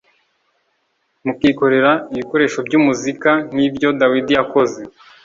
i mukikorera ibikoresho by umuzika nk ibyo Dawidi yakoze